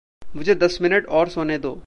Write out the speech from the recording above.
मुझे दस मिनिट और सोने दो|